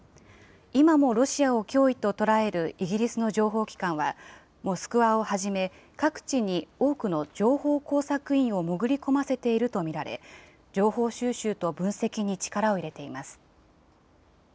今もロシアを脅威と捉えるイギリスの情報機関は、モスクワをはじめ、各地に多くの情報工作員を潜り込ませていると見られ、情報収集と分析に力を入れています。